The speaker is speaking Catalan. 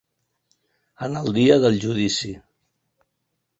En el dia del judici.